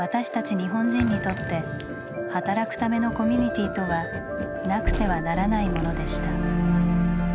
日本人にとって働くためのコミュニティーとはなくてはならないものでした。